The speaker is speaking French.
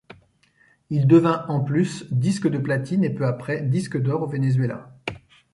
Il devint en plus disque de Platine et, peu après, disque d'Or au Venezuela.